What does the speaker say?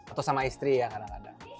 atau sama istri ya kadang kadang